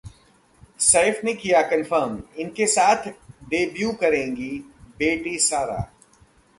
सैफ ने किया कंफर्म, इनके साथ डेब्यू करेंगी बेटी सारा